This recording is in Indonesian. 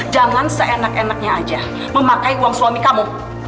jangan seenak enaknya aja memakai uang suami kamu